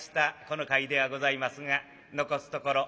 この会ではございますが残すところ